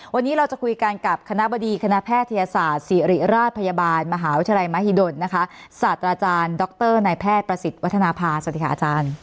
วันนี้เราจะคุยกันกับคณะบดีคณะแพทยศาสตร์ศิริราชพยาบาลมหาวิทยาลัยมหิดลนะคะศาสตราจารย์ดรนายแพทย์ประสิทธิ์วัฒนภาสวัสดีค่ะอาจารย์